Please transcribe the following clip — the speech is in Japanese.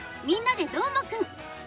「みんなＤＥどーもくん！」。